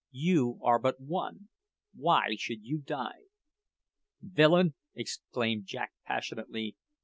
You are but one: why should you die?" "Villain!" exclaimed Jack passionately.